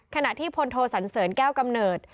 ขณะที่พลโทสันเสริญแก้วกำเนิด